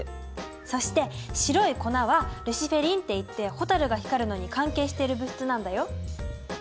そして白い粉はルシフェリンっていってホタルが光るのに関係している物質なんだよ。